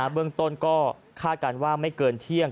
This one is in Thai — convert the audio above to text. เบื้องต้นก็คาดการณ์ว่าไม่เกินเที่ยง